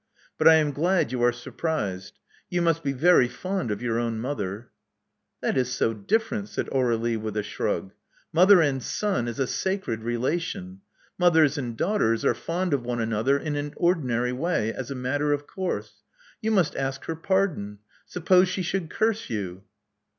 But I am glad you are sur prised. You must be very fond of your own mother. That is so different," said Aur^lie with a shrug. Mother and son is a sacred relation. Mothers and daughters are fond of one another in an ordinary way as a matter of course. You must ask her pardon. Suppose she should curse you."